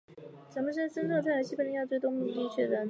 斯塔杜欣是首次探查了西伯利亚最东北部地区的人。